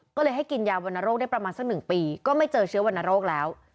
ก็เลยให้กินยาวรรณโรคได้ประมาณสัก๑ปีก็ไม่เจอเชื้อวรรณโรคแล้ว